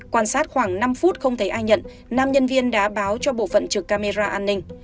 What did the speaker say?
quan sát khoảng năm phút không thấy ai nhận nam nhân viên đã báo cho bộ phận trực camera an ninh